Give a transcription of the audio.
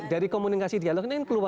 dari komunikasi dialog